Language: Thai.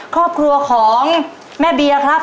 ครอบครัวของแม่เบียร์ครับ